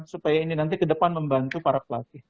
supaya ini nanti ke depan membantu para pelatih